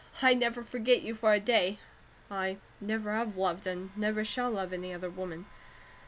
I never forget you for a day; I never have loved and never shall love any other woman.